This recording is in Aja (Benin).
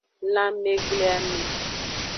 Lanmegbleame.